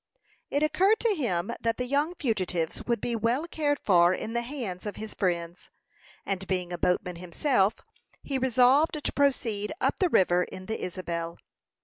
It occurred to him that the young fugitives would be well cared for in the hands of his friends, and being a boatman himself, he resolved to proceed up the river in the Isabel.